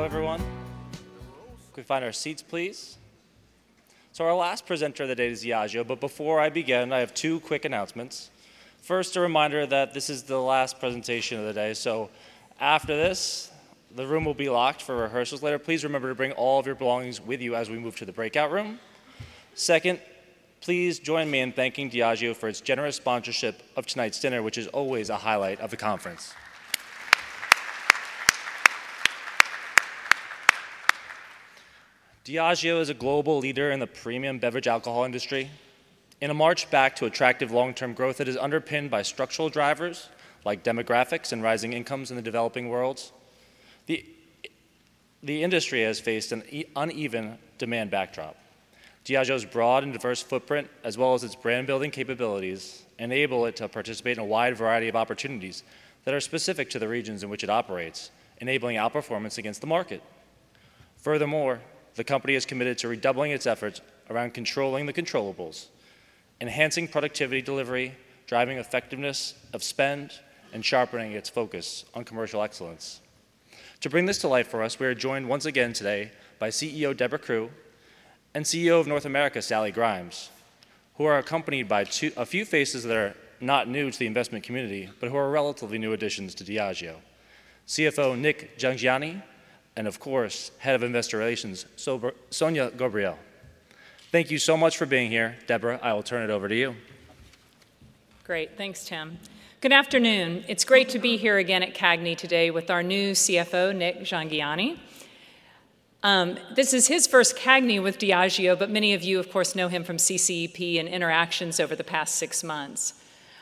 Hello, everyone. Can we find our seats, please? So our last presenter of the day is Diageo, but before I begin, I have two quick announcements. First, a reminder that this is the last presentation of the day, so after this, the room will be locked for rehearsals later. Please remember to bring all of your belongings with you as we move to the breakout room. Second, please join me in thanking Diageo for its generous sponsorship of tonight's dinner, which is always a highlight of the conference. Diageo is a global leader in the premium beverage alcohol industry. In a march back to attractive long-term growth that is underpinned by structural drivers like demographics and rising incomes in the developing worlds, the industry has faced an uneven demand backdrop. Diageo's broad and diverse footprint, as well as its brand-building capabilities, enable it to participate in a wide variety of opportunities that are specific to the regions in which it operates, enabling outperformance against the market. Furthermore, the company is committed to redoubling its efforts around controlling the controllables, enhancing productivity delivery, driving effectiveness of spend, and sharpening its focus on commercial excellence. To bring this to life for us, we are joined once again today by CEO Debra Crew and CEO of North America, Sally Grimes, who are accompanied by a few faces that are not new to the investment community but who are relatively new additions to Diageo: CFO Nik Jhangiani and, of course, Head of Investor Relations, Sonya Ghobrial. Thank you so much for being here, Debra. I will turn it over to you. Great. Thanks, Tim. Good afternoon. It's great to be here again at CAGNI today with our new CFO, Nik Jhangiani. This is his first CAGNI with Diageo, but many of you, of course, know him from CCEP and interactions over the past six months.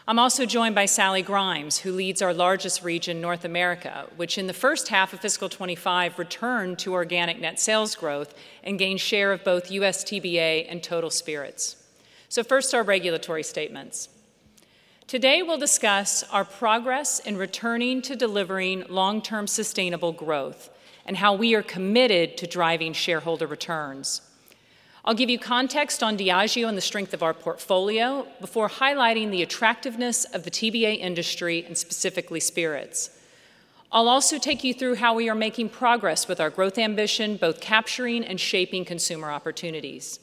I'm also joined by Sally Grimes, who leads our largest region, North America, which in the first half of fiscal 2025 returned to organic net sales growth and gained share of both U.S. TBA and total spirits. So first, our regulatory statements. Today, we'll discuss our progress in returning to delivering long-term sustainable growth and how we are committed to driving shareholder returns. I'll give you context on Diageo and the strength of our portfolio before highlighting the attractiveness of the TBA industry and specifically spirits. I'll also take you through how we are making progress with our growth ambition, both capturing and shaping consumer opportunities.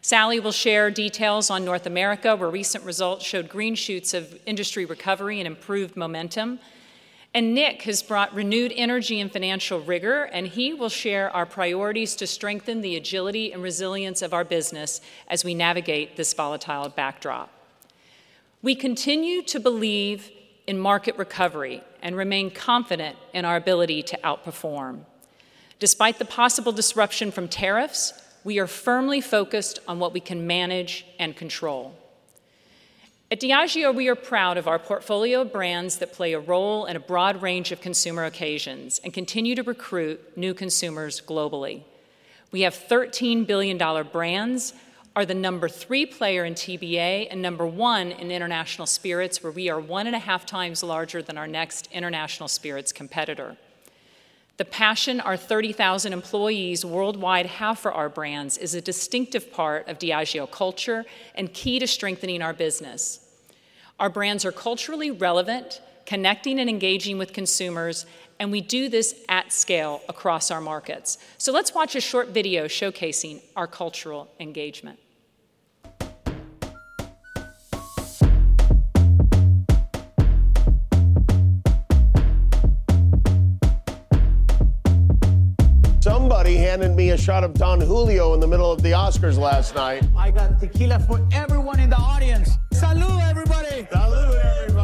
Sally will share details on North America, where recent results showed green shoots of industry recovery and improved momentum, and Nik has brought renewed energy and financial rigor, and he will share our priorities to strengthen the agility and resilience of our business as we navigate this volatile backdrop. We continue to believe in market recovery and remain confident in our ability to outperform. Despite the possible disruption from tariffs, we are firmly focused on what we can manage and control. At Diageo, we are proud of our portfolio of brands that play a role in a broad range of consumer occasions and continue to recruit new consumers globally. We have $13 billion brands, are the number three player in TBA and number one in international spirits, where we are one and a half times larger than our next international spirits competitor. The passion our 30,000 employees worldwide have for our brands is a distinctive part of Diageo culture and key to strengthening our business. Our brands are culturally relevant, connecting and engaging with consumers, and we do this at scale across our markets. So let's watch a short video showcasing our cultural engagement. Somebody handed me a shot of Don Julio in the middle of the Oscars last night. I got tequila for everyone in the audience. Salud, everybody! Salud, everybody!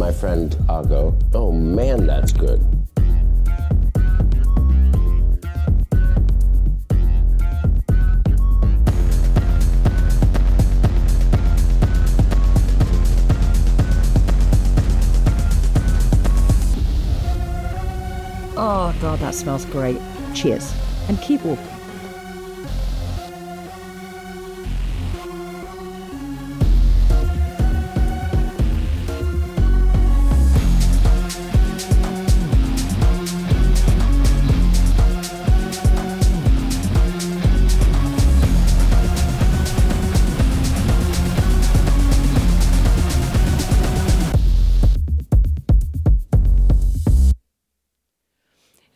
I'm here with my friend, Ago. Oh, man, that's good. Oh, God, that smells great. Cheers, and keep walking.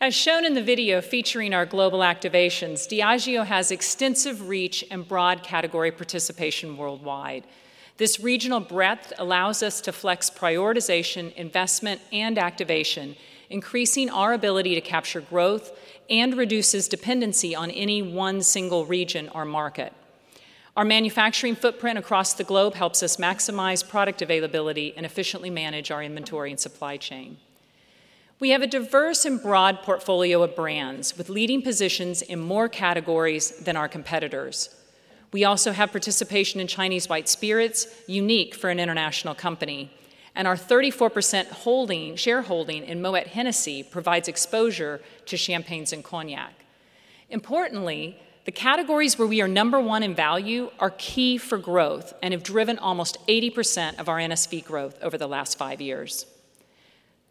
As shown in the video featuring our global activations, Diageo has extensive reach and broad category participation worldwide. This regional breadth allows us to flex prioritization, investment, and activation, increasing our ability to capture growth and reduces dependency on any one single region or market. Our manufacturing footprint across the globe helps us maximize product availability and efficiently manage our inventory and supply chain. We have a diverse and broad portfolio of brands with leading positions in more categories than our competitors. We also have participation in Chinese white spirits, unique for an international company, and our 34% shareholding in Moët Hennessy provides exposure to champagnes and cognac. Importantly, the categories where we are number one in value are key for growth and have driven almost 80% of our NSV growth over the last five years.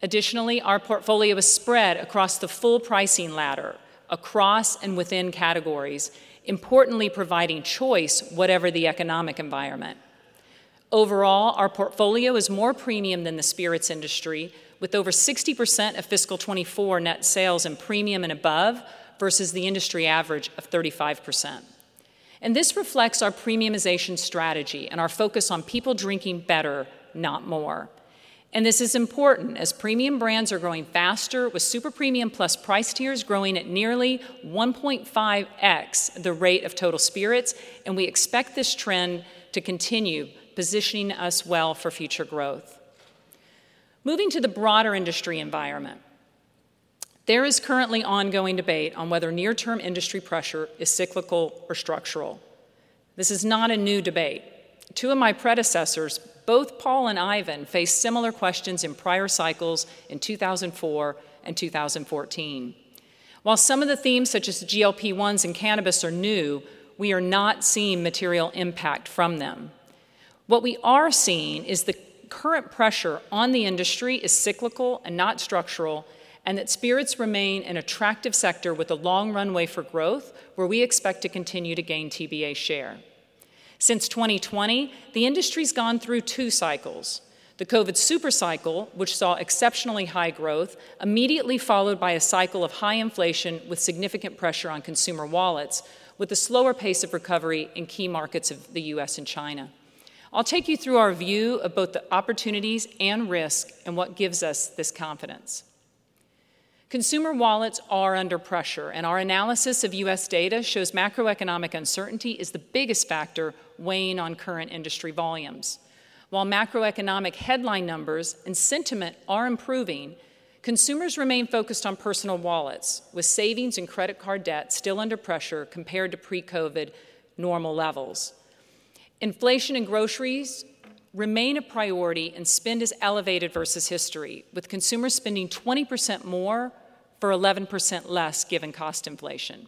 Additionally, our portfolio is spread across the full pricing ladder, across and within categories, importantly providing choice whatever the economic environment. Overall, our portfolio is more premium than the spirits industry, with over 60% of fiscal 2024 net sales in premium and above versus the industry average of 35%, and this reflects our premiumization strategy and our focus on people drinking better, not more, and this is important as premium brands are growing faster, with super premium plus price tiers growing at nearly 1.5x the rate of total spirits, and we expect this trend to continue positioning us well for future growth. Moving to the broader industry environment, there is currently ongoing debate on whether near-term industry pressure is cyclical or structural. This is not a new debate. Two of my predecessors, both Paul and Ivan, faced similar questions in prior cycles in 2004 and 2014. While some of the themes, such as GLP-1s and cannabis, are new, we are not seeing material impact from them. What we are seeing is the current pressure on the industry is cyclical and not structural, and that spirits remain an attractive sector with a long runway for growth where we expect to continue to gain TBA share. Since 2020, the industry's gone through two cycles: the COVID supercycle, which saw exceptionally high growth, immediately followed by a cycle of high inflation with significant pressure on consumer wallets, with a slower pace of recovery in key markets of the U.S. and China. I'll take you through our view of both the opportunities and risk and what gives us this confidence. Consumer wallets are under pressure, and our analysis of U.S. data shows macroeconomic uncertainty is the biggest factor weighing on current industry volumes. While macroeconomic headline numbers and sentiment are improving, consumers remain focused on personal wallets, with savings and credit card debt still under pressure compared to pre-COVID normal levels. Inflation in groceries remains a priority, and spend is elevated versus history, with consumers spending 20% more for 11% less, given cost inflation,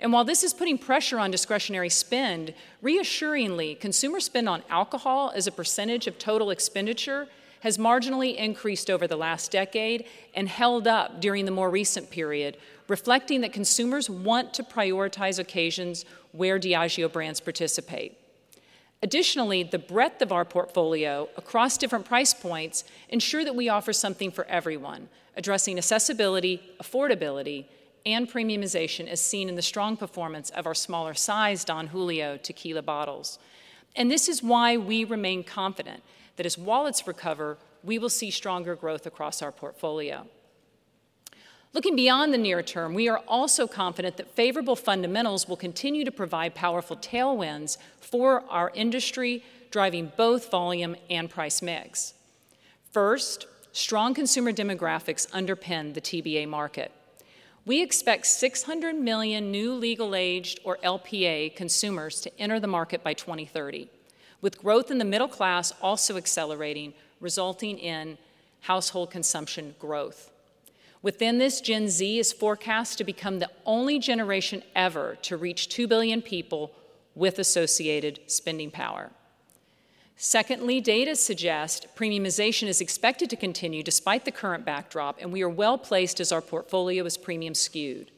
and while this is putting pressure on discretionary spend, reassuringly, consumer spend on alcohol as a percentage of total expenditure has marginally increased over the last decade and held up during the more recent period, reflecting that consumers want to prioritize occasions where Diageo brands participate. Additionally, the breadth of our portfolio across different price points ensures that we offer something for everyone, addressing accessibility, affordability, and premiumization as seen in the strong performance of our smaller-sized Don Julio tequila bottles. This is why we remain confident that as wallets recover, we will see stronger growth across our portfolio. Looking beyond the near term, we are also confident that favorable fundamentals will continue to provide powerful tailwinds for our industry, driving both volume and price mix. First, strong consumer demographics underpin the TBA market. We expect 600 million new legal-aged or LPA consumers to enter the market by 2030, with growth in the middle class also accelerating, resulting in household consumption growth. Within this, Gen Z is forecast to become the only generation ever to reach 2 billion people with associated spending power. Secondly, data suggest premiumization is expected to continue despite the current backdrop, and we are well placed as our portfolio is premium skewed.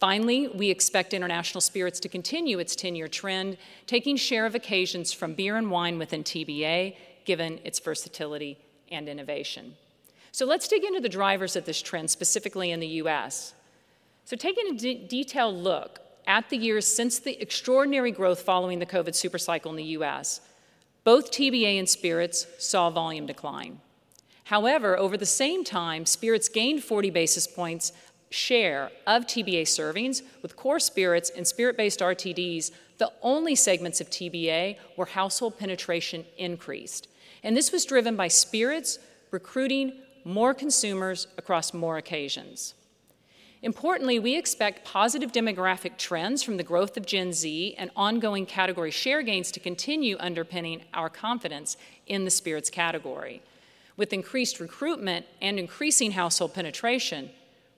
Finally, we expect International Spirits to continue its 10-year trend, taking share of occasions from Beer and Wine within TBA, given its versatility and innovation. So let's dig into the drivers of this trend, specifically in the U.S.. So taking a detailed look at the years since the extraordinary growth following the COVID supercycle in the U.S., both TBA and Spirits saw volume decline. However, over the same time, Spirits gained 40 basis points share of TBA servings, with Core Spirits and Spirit-based RTDs the only segments of TBA where household penetration increased. And this was driven by Spirits recruiting more consumers across more occasions. Importantly, we expect positive demographic trends from the growth of Gen Z and ongoing category share gains to continue underpinning our confidence in the Spirits category. With increased recruitment and increasing household penetration,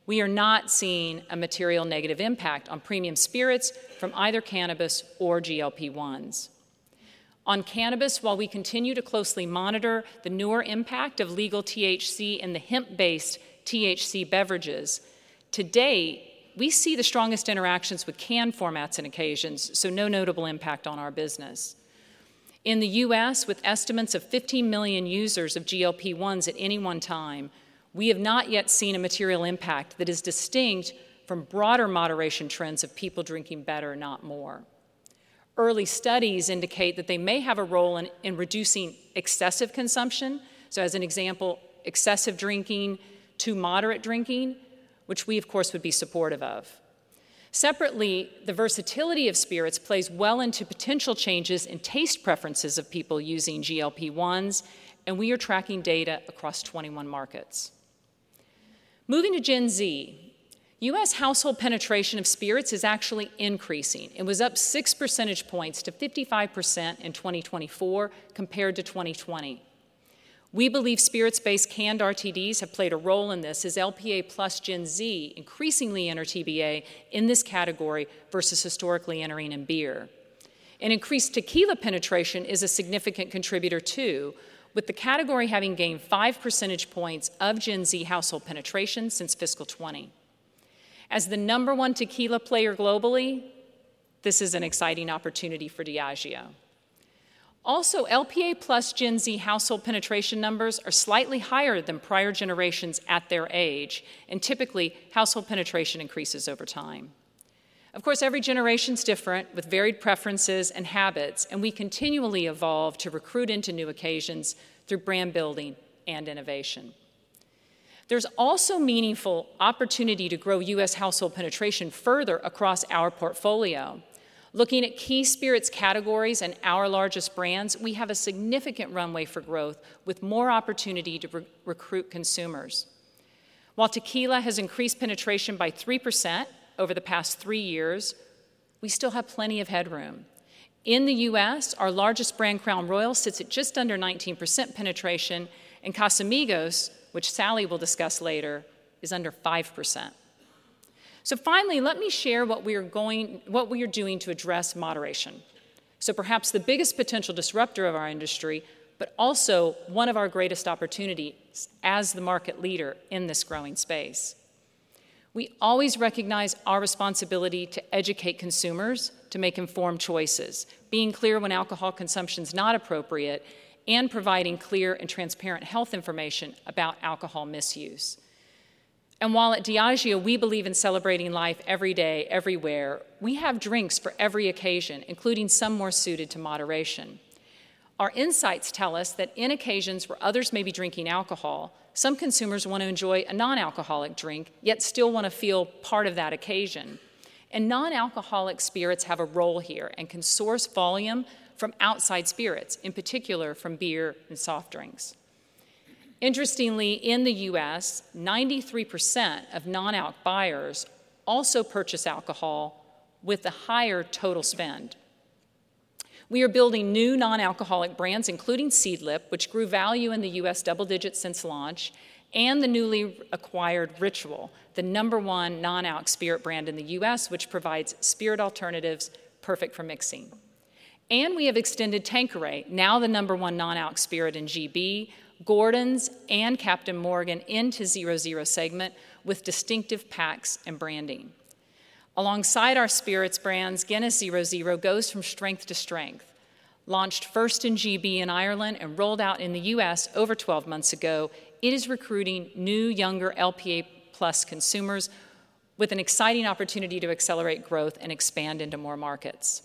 we are not seeing a material negative impact on premium spirits from either cannabis or GLP-1s. On cannabis, while we continue to closely monitor the newer impact of legal THC in the hemp-based THC beverages, to date, we see the strongest interactions with canned formats and occasions, so no notable impact on our business. In the U.S., with estimates of 15 million users of GLP-1s at any one time, we have not yet seen a material impact that is distinct from broader moderation trends of people drinking better, not more. Early studies indicate that they may have a role in reducing excessive consumption, so as an example, excessive drinking to moderate drinking, which we, of course, would be supportive of. Separately, the versatility of spirits plays well into potential changes in taste preferences of people using GLP-1s, and we are tracking data across 21 markets. Moving to Gen Z, U.S. household penetration of spirits is actually increasing. It was up 6 percentage points to 55% in 2024 compared to 2020. We believe spirits-based canned RTDs have played a role in this as LPA plus Gen Z increasingly enter TBA in this category versus historically entering in beer, and increased tequila penetration is a significant contributor too, with the category having gained 5 percentage points of Gen Z household penetration since fiscal 2020. As the number one tequila player globally, this is an exciting opportunity for Diageo. Also, LPA plus Gen Z household penetration numbers are slightly higher than prior generations at their age, and typically, household penetration increases over time. Of course, every generation's different with varied preferences and habits, and we continually evolve to recruit into new occasions through brand building and innovation. There's also meaningful opportunity to grow U.S. household penetration further across our portfolio. Looking at key spirits categories and our largest brands, we have a significant runway for growth with more opportunity to recruit consumers. While tequila has increased penetration by 3% over the past three years, we still have plenty of headroom. In the U.S., our largest brand, Crown Royal, sits at just under 19% penetration, and Casamigos, which Sally will discuss later, is under 5%, so finally, let me share what we are doing to address moderation, so perhaps the biggest potential disruptor of our industry, but also one of our greatest opportunities as the market leader in this growing space. We always recognize our responsibility to educate consumers to make informed choices, being clear when alcohol consumption's not appropriate, and providing clear and transparent health information about alcohol misuse, and while at Diageo, we believe in celebrating life every day, everywhere, we have drinks for every occasion, including some more suited to moderation. Our insights tell us that in occasions where others may be drinking alcohol, some consumers want to enjoy a non-alcoholic drink, yet still want to feel part of that occasion, and non-alcoholic spirits have a role here and can source volume from outside spirits, in particular from beer and soft drinks. Interestingly, in the U.S., 93% of non-alc buyers also purchase alcohol with a higher total spend. We are building new non-alcoholic brands, including Seedlip, which grew value in the U.S. double digits since launch, and the newly acquired Ritual, the number one non-alc spirit brand in the U.S., which provides spirit alternatives perfect for mixing, and we have extended Tanqueray, now the number one non-alc spirit in GB, Gordon's, and Captain Morgan into 0.0 segment with distinctive packs and branding. Alongside our spirits brands, Guinness 0.0 goes from strength to strength. Launched first in GB and Ireland and rolled out in the U.S. over 12 months ago, it is recruiting new younger LPA plus consumers with an exciting opportunity to accelerate growth and expand into more markets.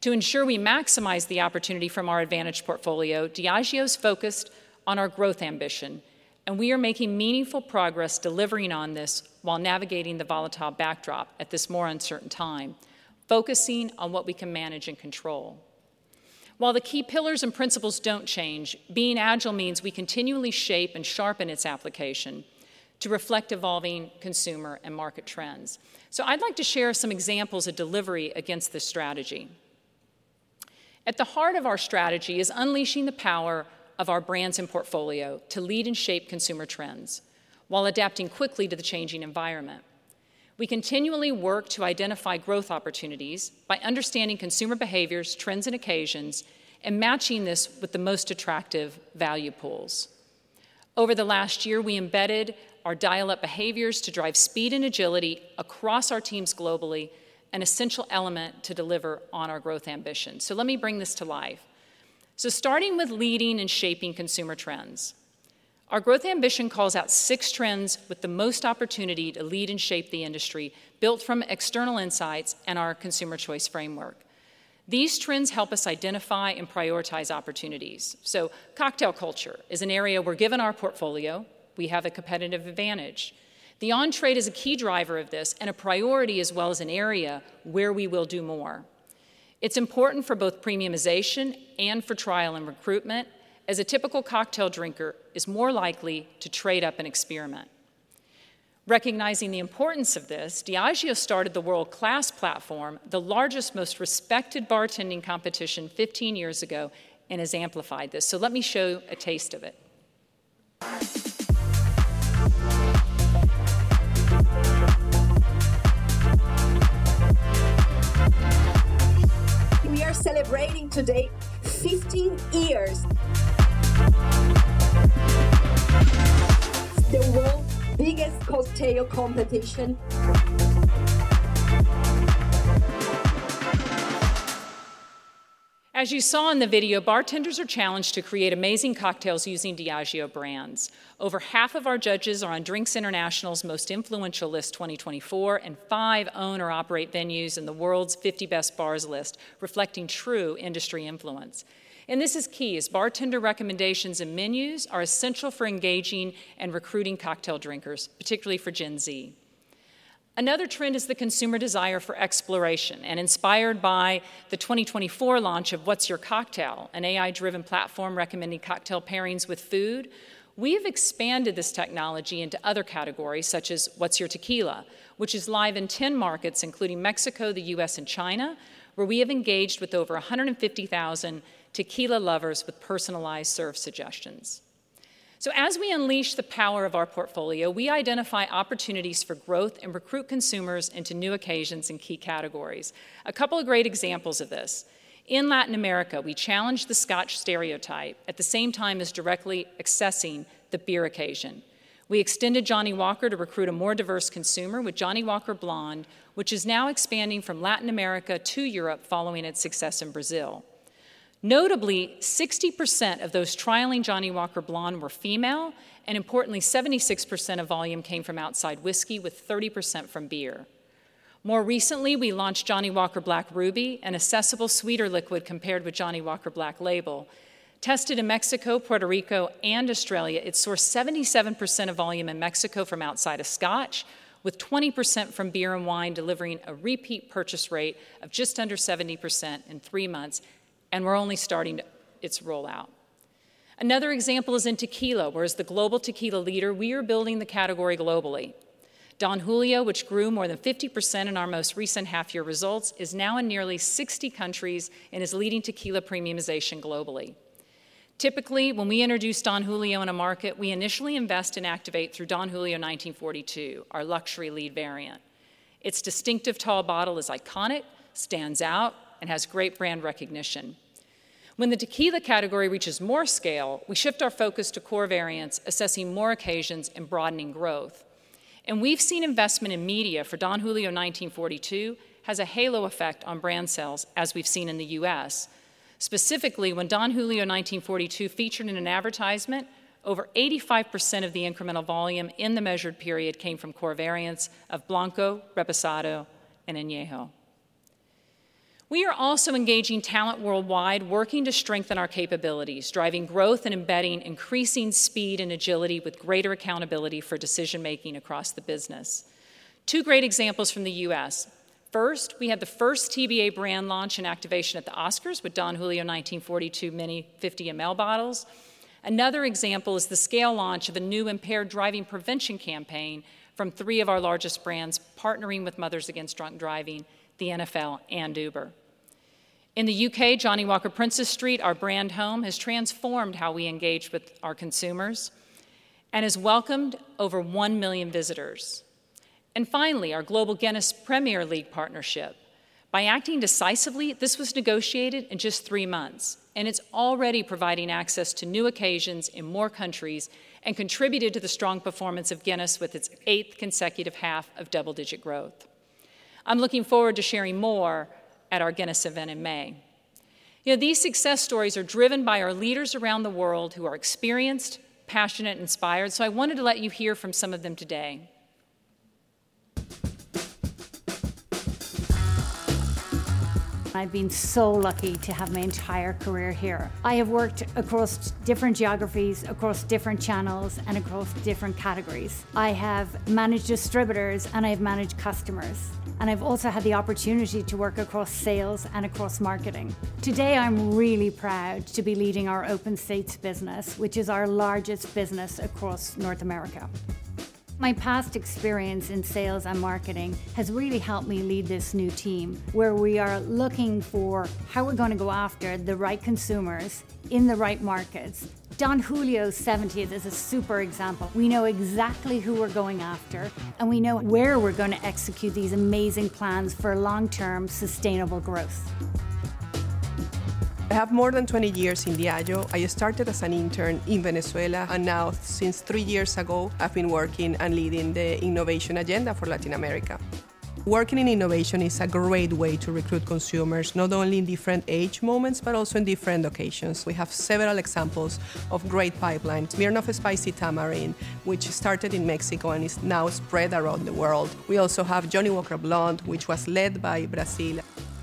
To ensure we maximize the opportunity from our advantage portfolio, Diageo's focused on our growth ambition, and we are making meaningful progress delivering on this while navigating the volatile backdrop at this more uncertain time, focusing on what we can manage and control. While the key pillars and principles don't change, being agile means we continually shape and sharpen its application to reflect evolving consumer and market trends. So I'd like to share some examples of delivery against this strategy. At the heart of our strategy is unleashing the power of our brands and portfolio to lead and shape consumer trends while adapting quickly to the changing environment. We continually work to identify growth opportunities by understanding consumer behaviors, trends, and occasions, and matching this with the most attractive value pools. Over the last year, we embedded our dial-up behaviors to drive speed and agility across our teams globally, an essential element to deliver on our growth ambition, so let me bring this to life, starting with leading and shaping consumer trends. Our growth ambition calls out six trends with the most opportunity to lead and shape the industry built from external insights and our Consumer Choice Framework. These trends help us identify and prioritize opportunities, so cocktail culture is an area where, given our portfolio, we have a competitive advantage. The RTD is a key driver of this and a priority as well as an area where we will do more. It's important for both premiumization and for trial and recruitment, as a typical cocktail drinker is more likely to trade up and experiment. Recognizing the importance of this, Diageo started the World Class platform, the largest, most respected bartending competition 15 years ago, and has amplified this. So let me show a taste of it. We are celebrating today 15 years. It's the world's biggest cocktail competition. As you saw in the video, bartenders are challenged to create amazing cocktails using Diageo brands. Over half of our judges are on Drinks International's Most Influential List 2024 and five own or operate venues in the world's 50 Best Bars list, reflecting true industry influence. And this is key as bartender recommendations and menus are essential for engaging and recruiting cocktail drinkers, particularly for Gen Z. Another trend is the consumer desire for exploration. Inspired by the 2024 launch of What's Your Cocktail, an AI-driven platform recommending cocktail pairings with food, we have expanded this technology into other categories such as What's Your Tequila, which is live in 10 markets, including Mexico, the U.S., and China, where we have engaged with over 150,000 tequila lovers with personalized serve suggestions. So as we unleash the power of our portfolio, we identify opportunities for growth and recruit consumers into new occasions and key categories. A couple of great examples of this. In Latin America, we challenged the Scotch stereotype at the same time as directly accessing the beer occasion. We extended Johnnie Walker to recruit a more diverse consumer with Johnnie Walker Blonde, which is now expanding from Latin America to Europe following its success in Brazil. Notably, 60% of those trialing Johnnie Walker Blonde were female, and importantly, 76% of volume came from outside whisky with 30% from beer. More recently, we launched Johnnie Walker Black Ruby, an accessible sweeter liquid compared with Johnnie Walker Black Label. Tested in Mexico, Puerto Rico, and Australia, it sourced 77% of volume in Mexico from outside of Scotch, with 20% from beer and wine delivering a repeat purchase rate of just under 70% in three months, and we're only starting its rollout. Another example is in tequila, as the global tequila leader, we are building the category globally. Don Julio, which grew more than 50% in our most recent half-year results, is now in nearly 60 countries and is leading tequila premiumization globally. Typically, when we introduce Don Julio in a market, we initially invest and activate through Don Julio 1942, our luxury lead variant. Its distinctive tall bottle is iconic, stands out, and has great brand recognition. When the tequila category reaches more scale, we shift our focus to core variants, assessing more occasions and broadening growth, and we've seen investment in media for Don Julio 1942 has a halo effect on brand sales as we've seen in the U.S. Specifically, when Don Julio 1942 featured in an advertisement, over 85% of the incremental volume in the measured period came from core variants of Blanco, Reposado, and Añejo. We are also engaging talent worldwide, working to strengthen our capabilities, driving growth and embedding increasing speed and agility with greater accountability for decision-making across the business. Two great examples from the U.S. First, we had the first TBA brand launch and activation at the Oscars with Don Julio 1942 Mini 50 mL bottles. Another example is the scale launch of a new impaired driving prevention campaign from three of our largest brands partnering with Mothers Against Drunk Driving, the NFL, and Uber. In the U.K., Johnnie Walker Princes Street, our brand home, has transformed how we engage with our consumers and has welcomed over one million visitors, and finally, our global Guinness Premier League partnership. By acting decisively, this was negotiated in just three months, and it's already providing access to new occasions in more countries and contributed to the strong performance of Guinness with its eighth consecutive half of double-digit growth. I'm looking forward to sharing more at our Guinness event in May. These success stories are driven by our leaders around the world who are experienced, passionate, and inspired, so I wanted to let you hear from some of them today. I've been so lucky to have my entire career here. I have worked across different geographies, across different channels, and across different categories. I have managed distributors, and I have managed customers, and I've also had the opportunity to work across sales and across marketing. Today, I'm really proud to be leading our open states business, which is our largest business across North America. My past experience in sales and marketing has really helped me lead this new team where we are looking for how we're going to go after the right consumers in the right markets. Don Julio 70 is a super example. We know exactly who we're going after, and we know where we're going to execute these amazing plans for long-term sustainable growth. I have more than 20 years in Diageo. I started as an intern in Venezuela, and now, since three years ago, I've been working and leading the innovation agenda for Latin America. Working in innovation is a great way to recruit consumers, not only in different age moments, but also in different occasions. We have several examples of great pipelines. Smirnoff Spicy Tamarind, which started in Mexico and is now spread around the world. We also have Johnnie Walker Blonde, which was led by Brazil.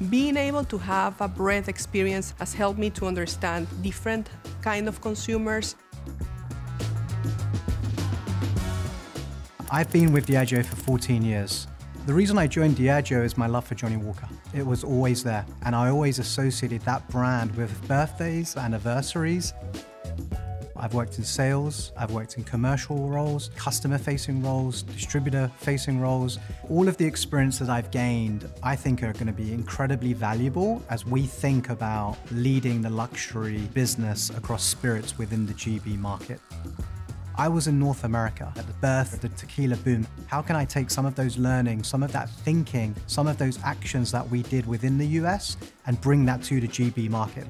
Being able to have a brand experience has helped me to understand different kinds of consumers. I've been with Diageo for 14 years. The reason I joined Diageo is my love for Johnnie Walker. It was always there, and I always associated that brand with birthdays and anniversaries. I've worked in sales. I've worked in commercial roles, customer-facing roles, distributor-facing roles. All of the experiences I've gained, I think, are going to be incredibly valuable as we think about leading the luxury business across spirits within the GB market. I was in North America at the birth of the tequila boom. How can I take some of those learnings, some of that thinking, some of those actions that we did within the U.S., and bring that to the GB market?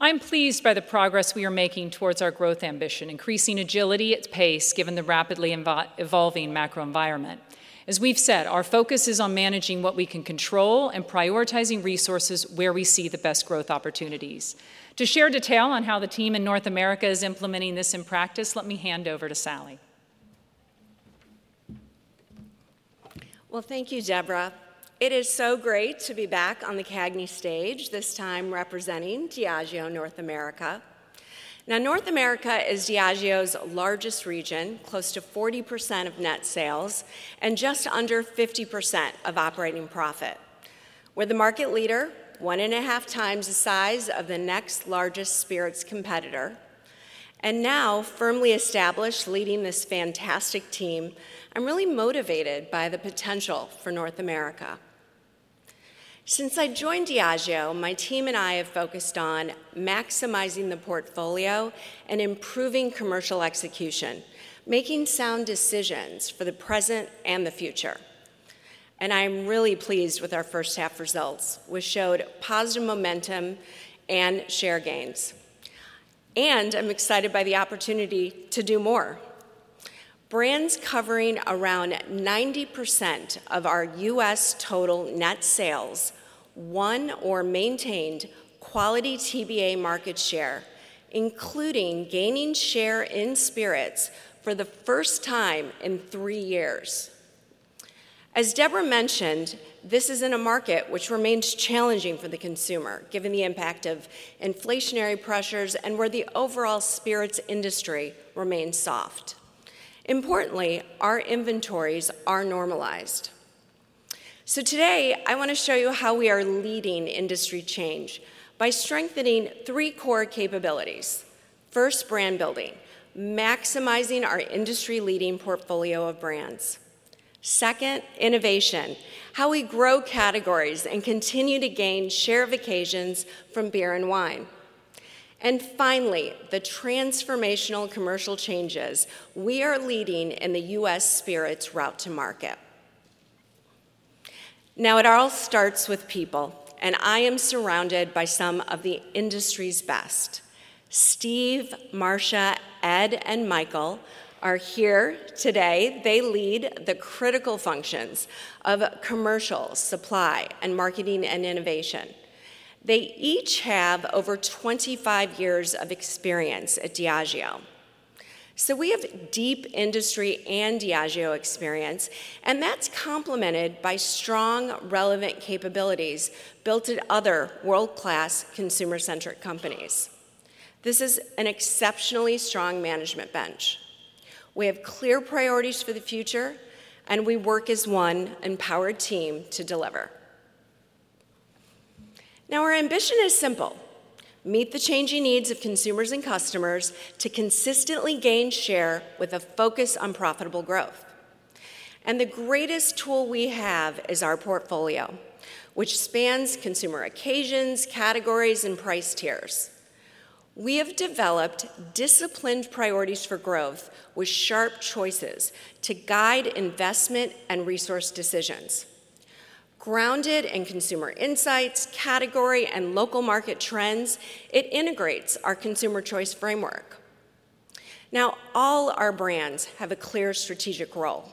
I'm pleased by the progress we are making towards our growth ambition, increasing agility at pace given the rapidly evolving macro environment. As we've said, our focus is on managing what we can control and prioritizing resources where we see the best growth opportunities. To share detail on how the team in North America is implementing this in practice, let me hand over to Sally. Well, thank you, Debra. It is so great to be back on the CAGNI stage this time representing Diageo North America. Now, North America is Diageo's largest region, close to 40% of net sales and just under 50% of operating profit. We're the market leader, one and a half times the size of the next largest spirits competitor. Now, firmly established, leading this fantastic team, I'm really motivated by the potential for North America. Since I joined Diageo, my team and I have focused on maximizing the portfolio and improving commercial execution, making sound decisions for the present and the future. I'm really pleased with our first half results, which showed positive momentum and share gains. I'm excited by the opportunity to do more. Brands covering around 90% of our U.S. total net sales won or maintained quality TBA market share, including gaining share in spirits for the first time in three years. As Debra mentioned, this is in a market which remains challenging for the consumer, given the impact of inflationary pressures and where the overall spirits industry remains soft. Importantly, our inventories are normalized. So today, I want to show you how we are leading industry change by strengthening three core capabilities. First, brand building, maximizing our industry-leading portfolio of brands. Second, innovation, how we grow categories and continue to gain share of occasions from beer and wine. And finally, the transformational commercial changes we are leading in the U.S. spirits route to market. Now, it all starts with people, and I am surrounded by some of the industry's best. Steve, Marsha, Ed, and Michael are here today. They lead the critical functions of commercial, supply, and marketing and innovation. They each have over 25 years of experience at Diageo. So we have deep industry and Diageo experience, and that's complemented by strong, relevant capabilities built at other world-class consumer-centric companies. This is an exceptionally strong management bench. We have clear priorities for the future, and we work as one empowered team to deliver. Now, our ambition is simple. Meet the changing needs of consumers and customers to consistently gain share with a focus on profitable growth. The greatest tool we have is our portfolio, which spans consumer occasions, categories, and price tiers. We have developed disciplined priorities for growth with sharp choices to guide investment and resource decisions. Grounded in consumer insights, category, and local market trends, it integrates our consumer choice framework. Now, all our brands have a clear strategic role.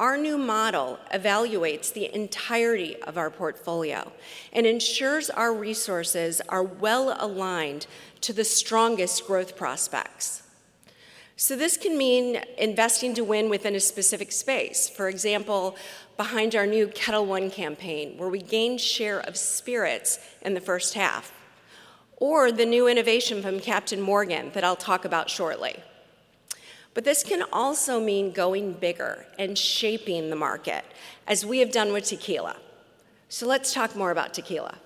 Our new model evaluates the entirety of our portfolio and ensures our resources are well aligned to the strongest growth prospects. This can mean investing to win within a specific space, for example, behind our new Ketel One campaign, where we gained share of spirits in the first half, or the new innovation from Captain Morgan that I'll talk about shortly. But this can also mean going bigger and shaping the market, as we have done with tequila. So let's talk more about tequila.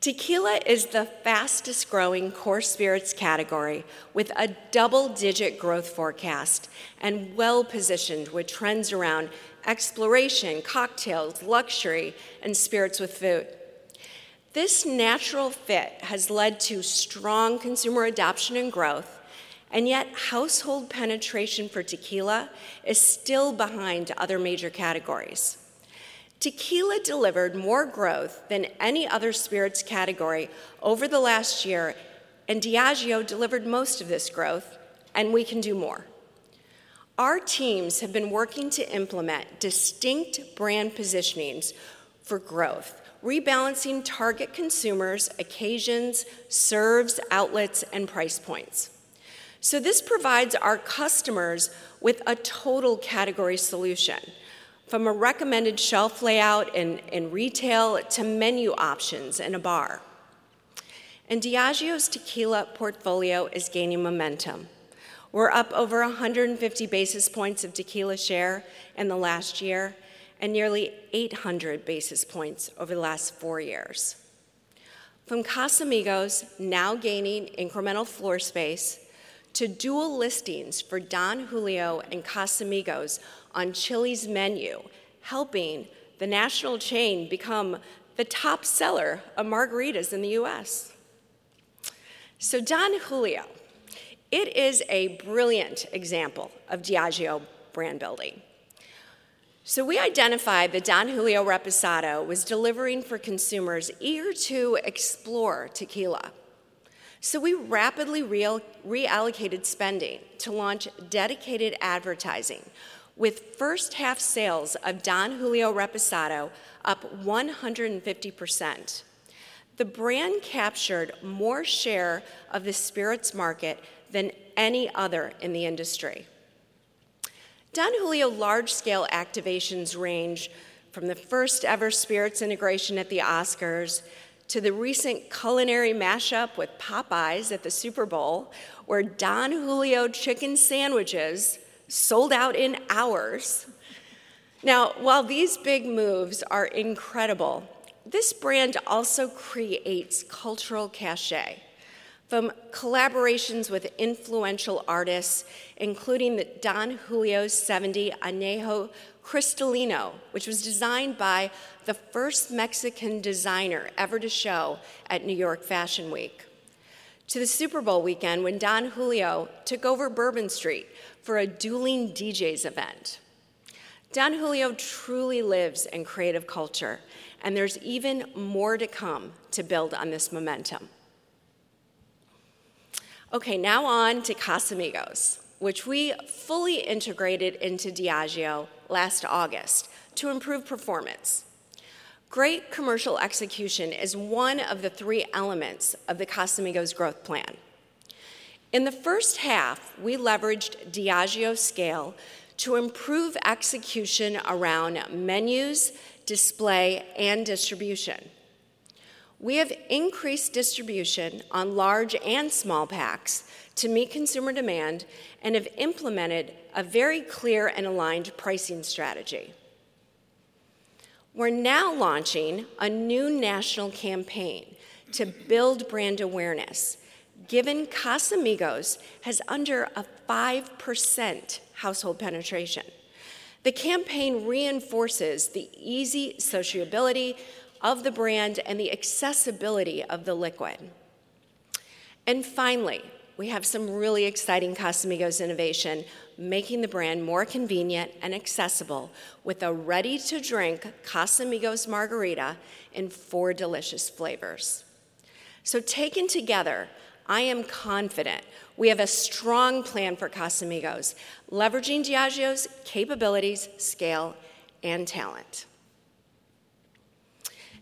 Tequila is the fastest-growing core spirits category with a double-digit growth forecast and well-positioned with trends around exploration, cocktails, luxury, and spirits with food. This natural fit has led to strong consumer adoption and growth, and yet household penetration for tequila is still behind other major categories. Tequila delivered more growth than any other spirits category over the last year, and Diageo delivered most of this growth, and we can do more. Our teams have been working to implement distinct brand positionings for growth, rebalancing target consumers, occasions, serves, outlets, and price points. So this provides our customers with a total category solution, from a recommended shelf layout in retail to menu options in a bar. And Diageo's tequila portfolio is gaining momentum. We're up over 150 basis points of tequila share in the last year and nearly 800 basis points over the last four years. From Casamigos now gaining incremental floor space to dual listings for Don Julio and Casamigos on Chili's menu, helping the national chain become the top seller of margaritas in the U.S. So Don Julio, it is a brilliant example of Diageo brand building. So we identified that Don Julio Reposado was delivering for consumers eager to explore tequila. So we rapidly reallocated spending to launch dedicated advertising, with first-half sales of Don Julio Reposado up 150%. The brand captured more share of the spirits market than any other in the industry. Don Julio large-scale activations range from the first-ever spirits integration at the Oscars to the recent culinary mashup with Popeyes at the Super Bowl, where Don Julio chicken sandwiches sold out in hours. Now, while these big moves are incredible, this brand also creates cultural cachet from collaborations with influential artists, including Don Julio 70 Añejo Cristalino, which was designed by the first Mexican designer ever to show at New York Fashion Week, to the Super Bowl weekend when Don Julio took over Bourbon Street for a dueling DJ's event. Don Julio truly lives in creative culture, and there's even more to come to build on this momentum. Okay, now on to Casamigos, which we fully integrated into Diageo last August to improve performance. Great commercial execution is one of the three elements of the Casamigos growth plan. In the first half, we leveraged Diageo scale to improve execution around menus, display, and distribution. We have increased distribution on large and small packs to meet consumer demand and have implemented a very clear and aligned pricing strategy. We're now launching a new national campaign to build brand awareness, given Casamigos has under a 5% household penetration. The campaign reinforces the easy sociability of the brand and the accessibility of the liquid, and finally, we have some really exciting Casamigos innovation, making the brand more convenient and accessible with a ready-to-drink Casamigos Margarita in four delicious flavors, so taken together, I am confident we have a strong plan for Casamigos, leveraging Diageo's capabilities, scale, and talent.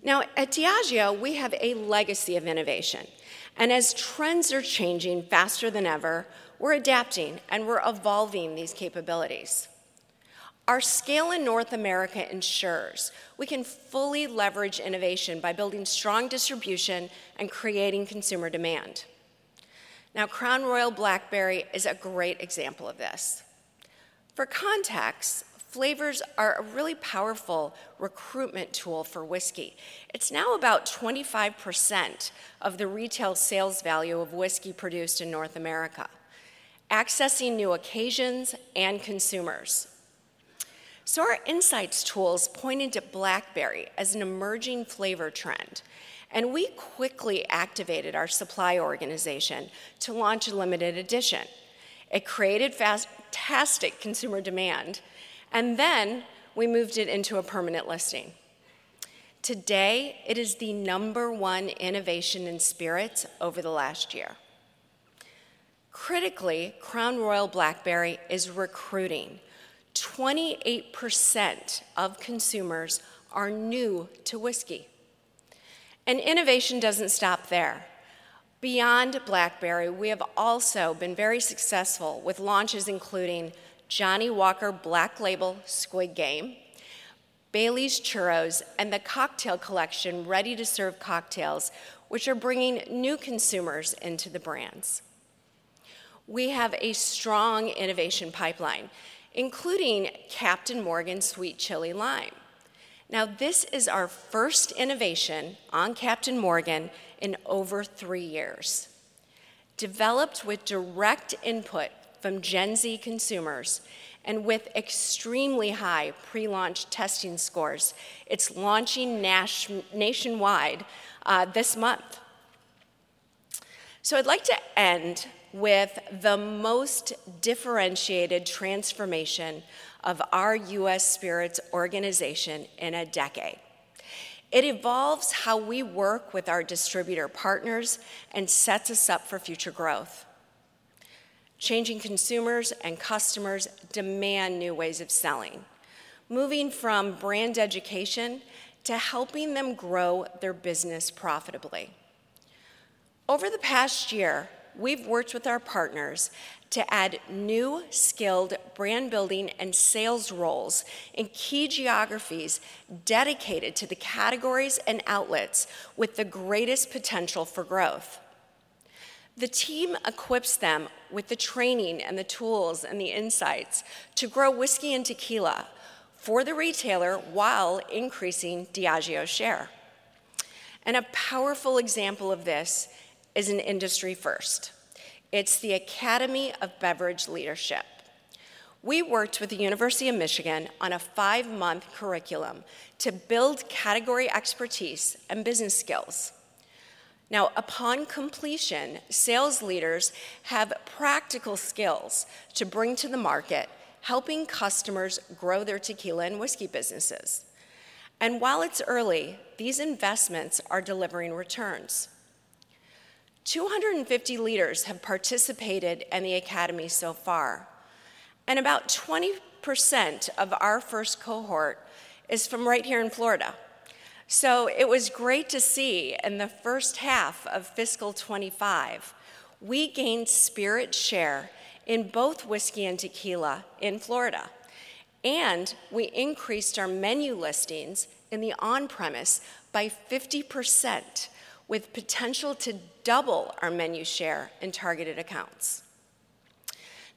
Now, at Diageo, we have a legacy of innovation, and as trends are changing faster than ever, we're adapting and we're evolving these capabilities. Our scale in North America ensures we can fully leverage innovation by building strong distribution and creating consumer demand. Now, Crown Royal Blackberry is a great example of this. For context, flavors are a really powerful recruitment tool for whiskey. It's now about 25% of the retail sales value of whiskey produced in North America, accessing new occasions and consumers, so our insights tools pointed to Blackberry as an emerging flavor trend, and we quickly activated our supply organization to launch a limited edition. It created fantastic consumer demand, and then we moved it into a permanent listing. Today, it is the number one innovation in spirits over the last year. Critically, Crown Royal Blackberry is recruiting. 28% of consumers are new to whiskey, and innovation doesn't stop there. Beyond Blackberry, we have also been very successful with launches including Johnnie Walker Black Label Squid Game, Baileys Churros, and the Cocktail Collection Ready-to-Serve Cocktails, which are bringing new consumers into the brands. We have a strong innovation pipeline, including Captain Morgan Sweet Chili Lime. Now, this is our first innovation on Captain Morgan in over three years. Developed with direct input from Gen Z consumers and with extremely high pre-launch testing scores, it's launching nationwide this month. So I'd like to end with the most differentiated transformation of our U.S. spirits organization in a decade. It evolves how we work with our distributor partners and sets us up for future growth. Changing consumers and customers demand new ways of selling, moving from brand education to helping them grow their business profitably. Over the past year, we've worked with our partners to add new skilled brand building and sales roles in key geographies dedicated to the categories and outlets with the greatest potential for growth. The team equips them with the training and the tools and the insights to grow whiskey and tequila for the retailer while increasing Diageo share. And a powerful example of this is an industry first. It's the Academy of Beverage Leadership. We worked with the University of Michigan on a five-month curriculum to build category expertise and business skills. Now, upon completion, sales leaders have practical skills to bring to the market, helping customers grow their tequila and whiskey businesses, and while it's early, these investments are delivering returns. 250 leaders have participated in the academy so far, and about 20% of our first cohort is from right here in Florida, so it was great to see in the first half of fiscal 2025, we gained spirit share in both whiskey and tequila in Florida, and we increased our menu listings in the on-premise by 50%, with potential to double our menu share in targeted accounts.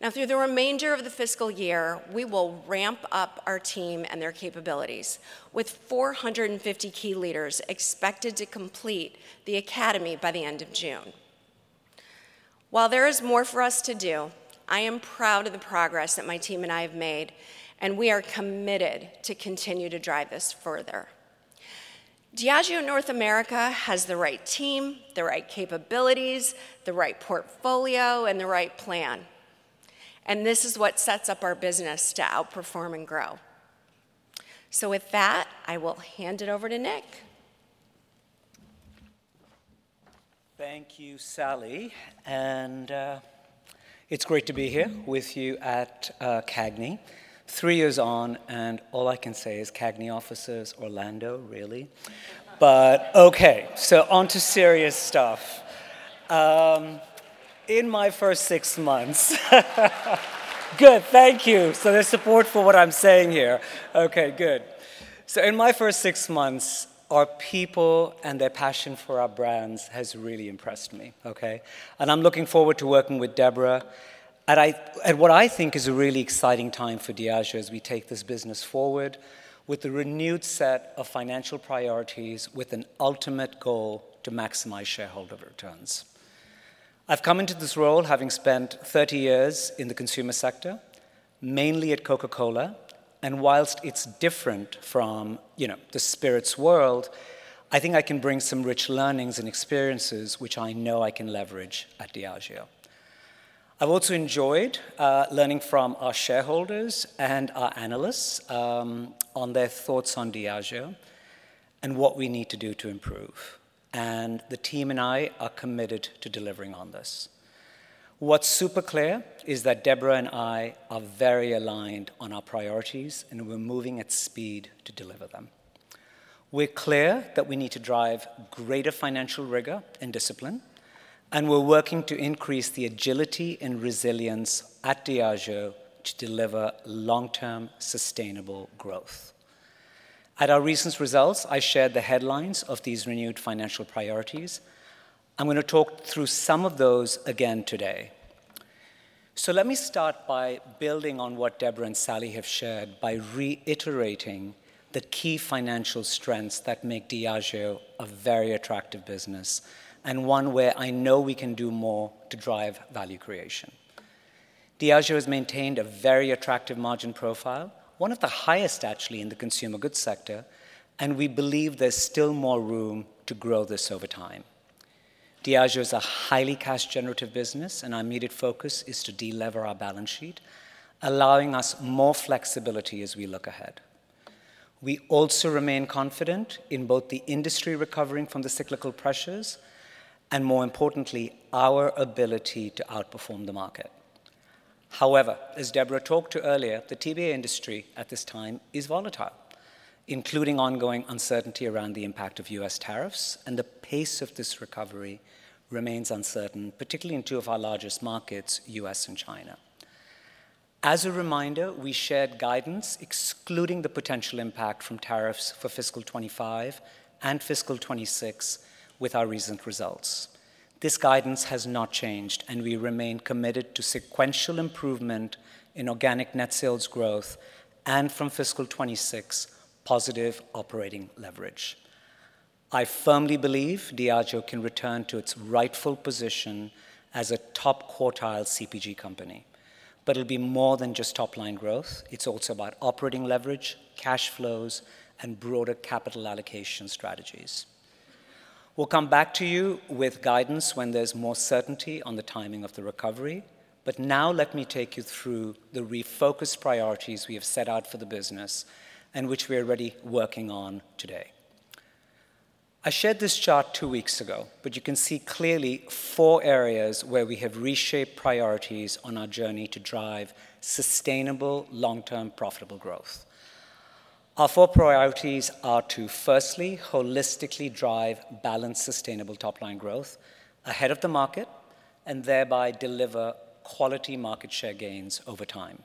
Now, through the remainder of the fiscal year, we will ramp up our team and their capabilities, with 450 key leaders expected to complete the academy by the end of June. While there is more for us to do, I am proud of the progress that my team and I have made, and we are committed to continue to drive this further. Diageo North America has the right team, the right capabilities, the right portfolio, and the right plan. And this is what sets up our business to outperform and grow. So with that, I will hand it over to Nik. Thank you, Sally. And it's great to be here with you at CAGNI. Three years on, and all I can say is CAGNI officers, Orlando, really. But okay, so on to serious stuff. In my first six months, good, thank you. So there's support for what I'm saying here. Okay, good. So in my first six months, our people and their passion for our brands has really impressed me, okay? And I'm looking forward to working with Debra. And what I think is a really exciting time for Diageo as we take this business forward with a renewed set of financial priorities, with an ultimate goal to maximize shareholder returns. I've come into this role having spent 30 years in the consumer sector, mainly at Coca-Cola. And while it's different from the spirits world, I think I can bring some rich learnings and experiences, which I know I can leverage at Diageo. I've also enjoyed learning from our shareholders and our analysts on their thoughts on Diageo and what we need to do to improve. And the team and I are committed to delivering on this. What's super clear is that Debra and I are very aligned on our priorities, and we're moving at speed to deliver them. We're clear that we need to drive greater financial rigor and discipline, and we're working to increase the agility and resilience at Diageo to deliver long-term sustainable growth. At our recent results, I shared the headlines of these renewed financial priorities. I'm going to talk through some of those again today. So let me start by building on what Debra and Sally have shared by reiterating the key financial strengths that make Diageo a very attractive business and one where I know we can do more to drive value creation. Diageo has maintained a very attractive margin profile, one of the highest actually in the consumer goods sector, and we believe there's still more room to grow this over time. Diageo is a highly cash-generative business, and our immediate focus is to delever our balance sheet, allowing us more flexibility as we look ahead. We also remain confident in both the industry recovering from the cyclical pressures and, more importantly, our ability to outperform the market. However, as Debra talked to earlier, the TBA industry at this time is volatile, including ongoing uncertainty around the impact of U.S. tariffs, and the pace of this recovery remains uncertain, particularly in two of our largest markets, U.S. and China. As a reminder, we shared guidance excluding the potential impact from tariffs for fiscal 2025 and fiscal 2026 with our recent results. This guidance has not changed, and we remain committed to sequential improvement in organic net sales growth and from fiscal 2026 positive operating leverage. I firmly believe Diageo can return to its rightful position as a top quartile CPG company, but it'll be more than just top-line growth. It's also about operating leverage, cash flows, and broader capital allocation strategies. We'll come back to you with guidance when there's more certainty on the timing of the recovery, but now let me take you through the refocused priorities we have set out for the business and which we are already working on today. I shared this chart two weeks ago, but you can see clearly four areas where we have reshaped priorities on our journey to drive sustainable, long-term profitable growth. Our four priorities are to, firstly, holistically drive balanced sustainable top-line growth ahead of the market and thereby deliver quality market share gains over time.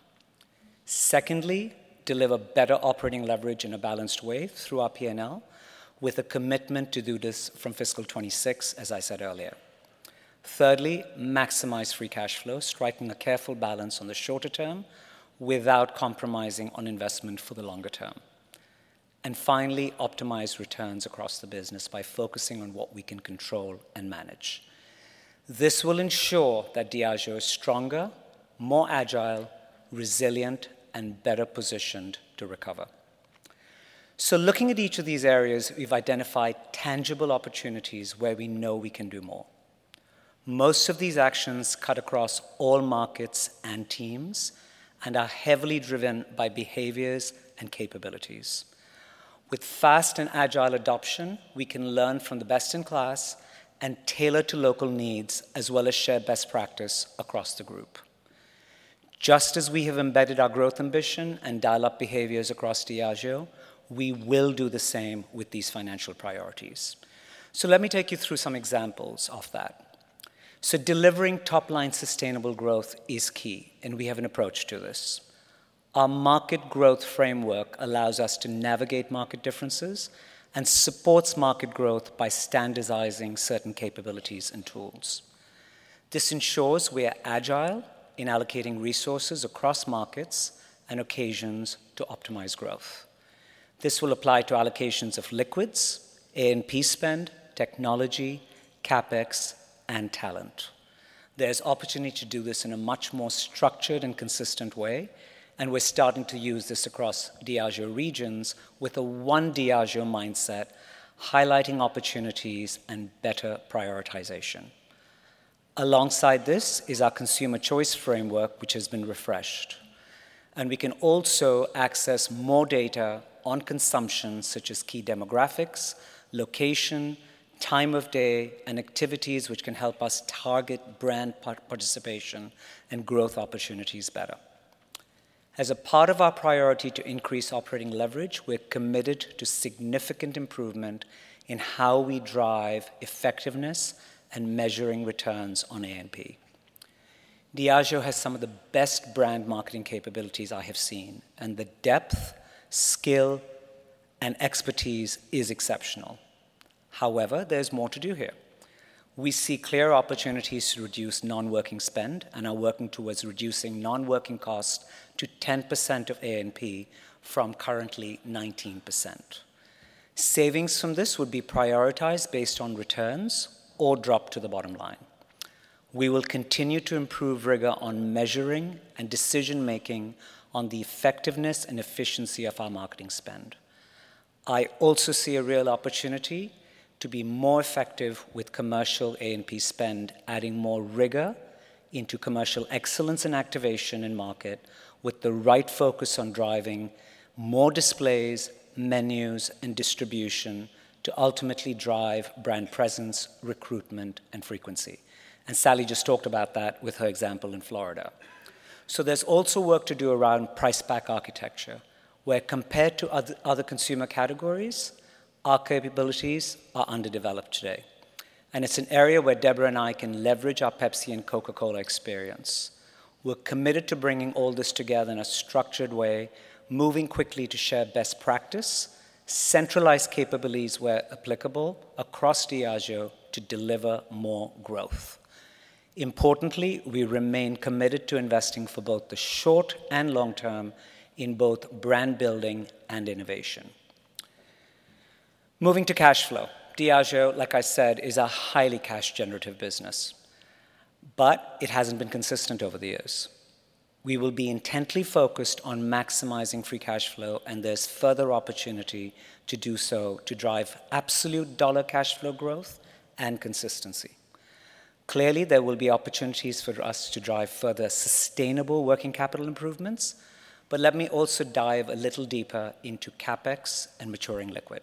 Secondly, deliver better operating leverage in a balanced way through our P&L with a commitment to do this from fiscal 2026, as I said earlier. Thirdly, maximize free cash flow, striking a careful balance on the shorter term without compromising on investment for the longer term. Finally, optimize returns across the business by focusing on what we can control and manage. This will ensure that Diageo is stronger, more agile, resilient, and better positioned to recover. Looking at each of these areas, we've identified tangible opportunities where we know we can do more. Most of these actions cut across all markets and teams and are heavily driven by behaviors and capabilities. With fast and agile adoption, we can learn from the best in class and tailor to local needs as well as share best practice across the group. Just as we have embedded our growth ambition and Dial-up behaviors across Diageo, we will do the same with these financial priorities. Let me take you through some examples of that. Delivering top-line sustainable growth is key, and we have an approach to this. Our Market Growth Framework allows us to navigate market differences and supports market growth by standardizing certain capabilities and tools. This ensures we are agile in allocating resources across markets and occasions to optimize growth. This will apply to allocations of liquids, A&P spend, technology, CapEx, and talent. There's opportunity to do this in a much more structured and consistent way, and we're starting to use this across Diageo regions with a one Diageo mindset, highlighting opportunities and better prioritization. Alongside this is our Consumer Choice Framework, which has been refreshed. And we can also access more data on consumption, such as key demographics, location, time of day, and activities, which can help us target brand participation and growth opportunities better. As a part of our priority to increase operating leverage, we're committed to significant improvement in how we drive effectiveness and measuring returns on A&P. Diageo has some of the best brand marketing capabilities I have seen, and the depth, skill, and expertise is exceptional. However, there's more to do here. We see clear opportunities to reduce non-working spend and are working towards reducing non-working costs to 10% of A&P from currently 19%. Savings from this would be prioritized based on returns or dropped to the bottom line. We will continue to improve rigor on measuring and decision-making on the effectiveness and efficiency of our marketing spend. I also see a real opportunity to be more effective with commercial A&P spend, adding more rigor into commercial excellence and activation in market with the right focus on driving more displays, menus, and distribution to ultimately drive brand presence, recruitment, and frequency, and Sally just talked about that with her example in Florida. There's also work to do around price-pack architecture, where compared to other consumer categories, our capabilities are underdeveloped today. It's an area where Debra and I can leverage our Pepsi and Coca-Cola experience. We're committed to bringing all this together in a structured way, moving quickly to share best practice, centralized capabilities where applicable across Diageo to deliver more growth. Importantly, we remain committed to investing for both the short and long term in both brand building and innovation. Moving to cash flow, Diageo, like I said, is a highly cash-generative business, but it hasn't been consistent over the years. We will be intently focused on maximizing free cash flow, and there's further opportunity to do so to drive absolute dollar cash flow growth and consistency. Clearly, there will be opportunities for us to drive further sustainable working capital improvements, but let me also dive a little deeper into CapEx and maturing liquid,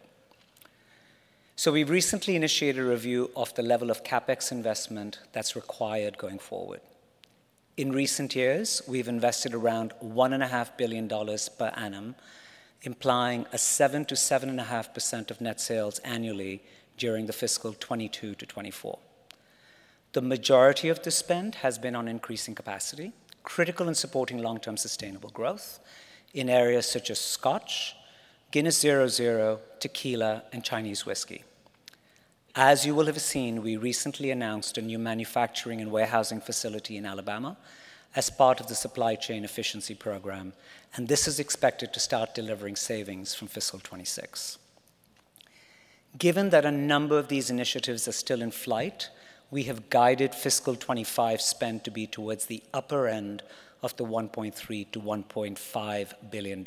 so we've recently initiated a review of the level of CapEx investment that's required going forward. In recent years, we've invested around $1.5 billion per annum, implying a 7%-7.5% of net sales annually during the fiscal 2022 to 2024. The majority of this spend has been on increasing capacity, critical in supporting long-term sustainable growth in areas such as Scotch, Guinness 0.0, tequila, and Chinese whiskey. As you will have seen, we recently announced a new manufacturing and warehousing facility in Alabama as part of the Supply Chain Efficiency Program, and this is expected to start delivering savings from fiscal 2026. Given that a number of these initiatives are still in flight, we have guided fiscal 25 spend to be towards the upper end of the $1.3-$1.5 billion.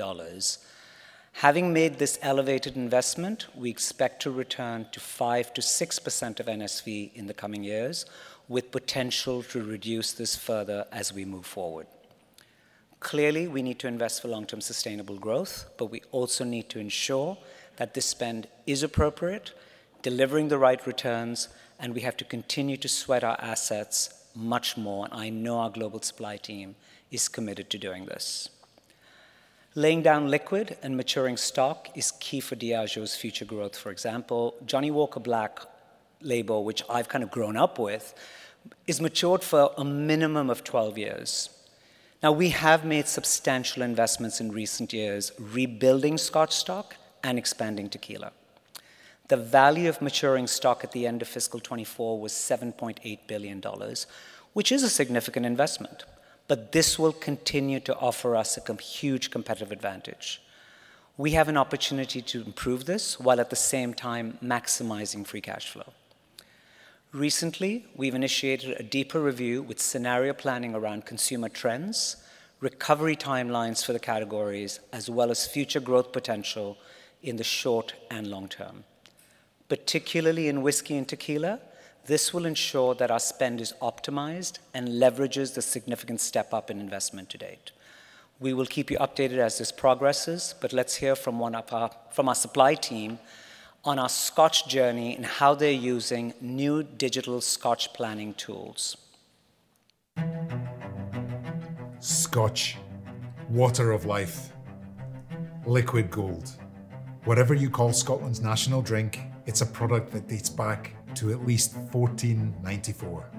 Having made this elevated investment, we expect to return to 5%-6% of NSV in the coming years, with potential to reduce this further as we move forward. Clearly, we need to invest for long-term sustainable growth, but we also need to ensure that this spend is appropriate, delivering the right returns, and we have to continue to sweat our assets much more, and I know our global supply team is committed to doing this. Laying down liquid and maturing stock is key for Diageo's future growth. For example, Johnnie Walker Black Label, which I've kind of grown up with, is matured for a minimum of 12 years. Now, we have made substantial investments in recent years, rebuilding Scotch stock and expanding tequila. The value of maturing stock at the end of fiscal 2024 was $7.8 billion, which is a significant investment, but this will continue to offer us a huge competitive advantage. We have an opportunity to improve this while at the same time maximizing free cash flow. Recently, we've initiated a deeper review with scenario planning around consumer trends, recovery timelines for the categories, as well as future growth potential in the short and long term. Particularly in whiskey and tequila, this will ensure that our spend is optimized and leverages the significant step-up in investment to date. We will keep you updated as this progresses, but let's hear from our supply team on our Scotch journey and how they're using new digital Scotch planning tools. Scotch, water of life, liquid gold. Whatever you call Scotland's national drink, it's a product that dates back to at least 1494.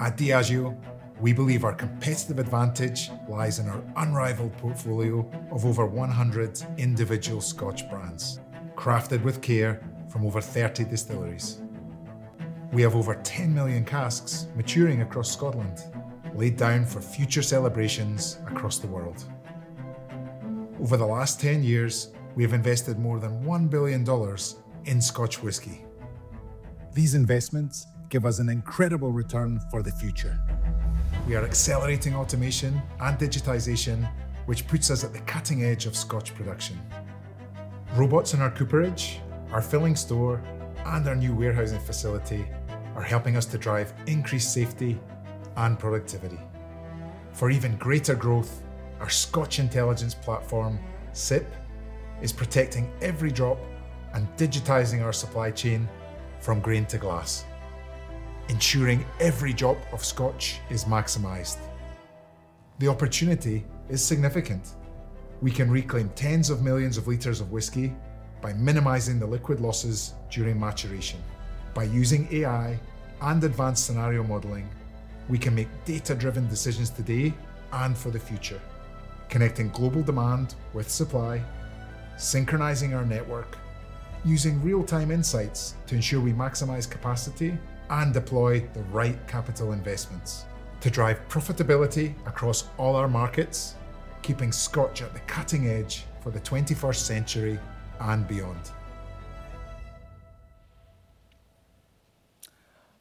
At Diageo, we believe our competitive advantage lies in our unrivaled portfolio of over 100 individual Scotch brands crafted with care from over 30 distilleries. We have over 10 million casks maturing across Scotland, laid down for future celebrations across the world. Over the last 10 years, we have invested more than $1 billion in Scotch whisky. These investments give us an incredible return for the future. We are accelerating automation and digitization, which puts us at the cutting edge of Scotch production. Robots in our cooperage, our filling store, and our new warehousing facility are helping us to drive increased safety and productivity. For even greater growth, our Scotch Intelligence Platform, SIP, is protecting every drop and digitizing our supply chain from grain to glass, ensuring every drop of Scotch is maximized. The opportunity is significant. We can reclaim tens of millions of liters of whiskey by minimizing the liquid losses during maturation. By using AI and advanced scenario modeling, we can make data-driven decisions today and for the future, connecting global demand with supply, synchronizing our network, using real-time insights to ensure we maximize capacity and deploy the right capital investments to drive profitability across all our markets, keeping Scotch at the cutting edge for the 21st century and beyond.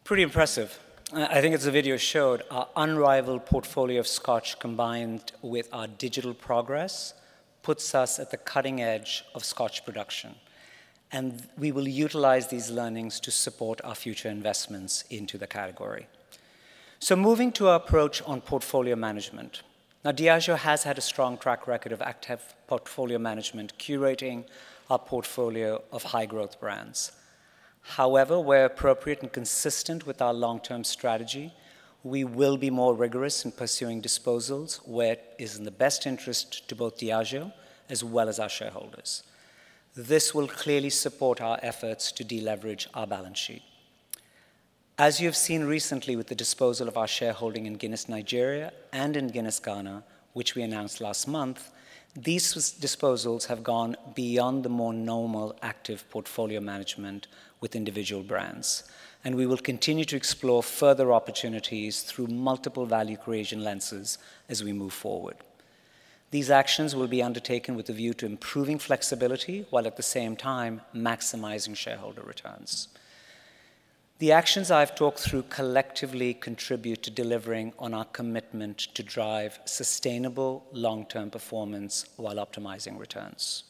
Pretty impressive. I think, as the video showed, our unrivaled portfolio of Scotch combined with our digital progress puts us at the cutting edge of Scotch production. And we will utilize these learnings to support our future investments into the category. So moving to our approach on portfolio management. Now, Diageo has had a strong track record of active portfolio management, curating our portfolio of high-growth brands. However, where appropriate and consistent with our long-term strategy, we will be more rigorous in pursuing disposals, where it is in the best interest to both Diageo as well as our shareholders. This will clearly support our efforts to deleverage our balance sheet. As you have seen recently with the disposal of our shareholding in Guinness Nigeria and in Guinness Ghana, which we announced last month, these disposals have gone beyond the more normal active portfolio management with individual brands. And we will continue to explore further opportunities through multiple value creation lenses as we move forward. These actions will be undertaken with a view to improving flexibility while at the same time maximizing shareholder returns. The actions I've talked through collectively contribute to delivering on our commitment to drive sustainable long-term performance while optimizing returns.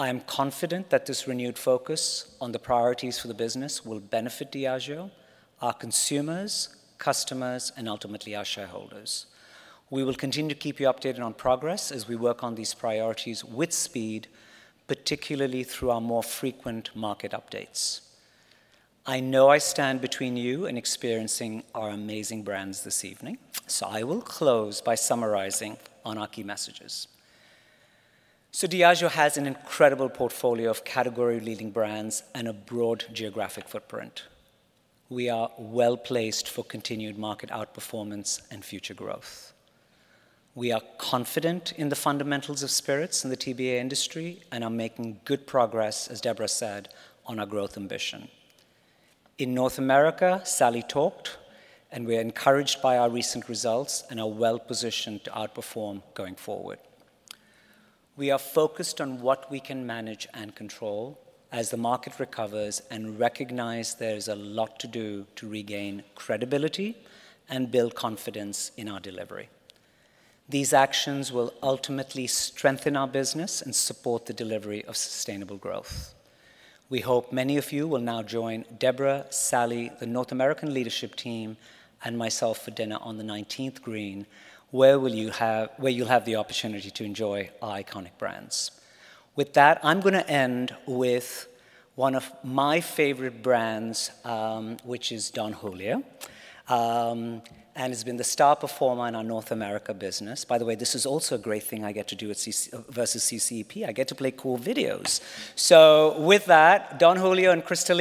I am confident that this renewed focus on the priorities for the business will benefit Diageo, our consumers, customers, and ultimately our shareholders. We will continue to keep you updated on progress as we work on these priorities with speed, particularly through our more frequent market updates. I know I stand between you and experiencing our amazing brands this evening, so I will close by summarizing our key messages, so Diageo has an incredible portfolio of category-leading brands and a broad geographic footprint. We are well placed for continued market outperformance and future growth. We are confident in the fundamentals of spirits in the TBA industry and are making good progress, as Debra said, on our growth ambition. In North America, Sally talked, and we are encouraged by our recent results and are well positioned to outperform going forward. We are focused on what we can manage and control as the market recovers and recognize there is a lot to do to regain credibility and build confidence in our delivery. These actions will ultimately strengthen our business and support the delivery of sustainable growth. We hope many of you will now join Debra, Sally, the North American leadership team, and myself for dinner on the 19th green, where you'll have the opportunity to enjoy our iconic brands. With that, I'm going to end with one of my favorite brands, which is Don Julio, and has been the star performer in our North America business. By the way, this is also a great thing I get to do versus CCEP. I get to play cool videos. So with that, Don Julio and Cristalino.